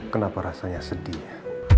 kenapa rasanya sedih ya